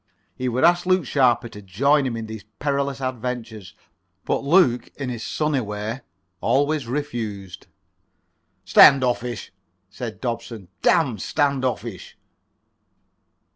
He would ask Luke Sharper to join him in these perilous adventures, but Luke, in his sunny way, always refused. "Standoffish," said Dobson. "Damn standoffish."